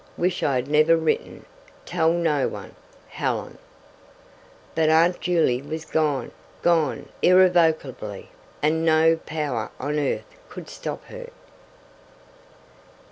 WISH I HAD NEVER WRITTEN. TELL NO ONE. HELEN But Aunt Juley was gone gone irrevocably, and no power on earth could stop her.